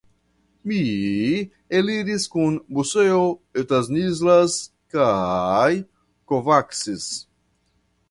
Mi eliris kun Moseo, Stanislas kaj Kovacs.